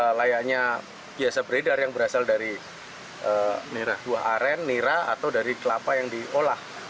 nah layaknya biasa beredar yang berasal dari buah aren nira atau dari kelapa yang diolah